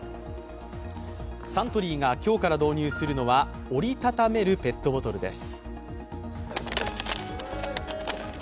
サントリーが今日から導入するのは折りたためるペットボトルです。